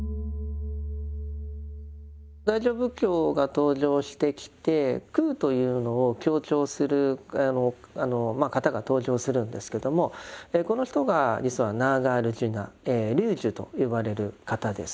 大乗仏教が登場してきて空というのを強調する方が登場するんですけどもこの人が実はナーガールジュナ龍樹と呼ばれる方です。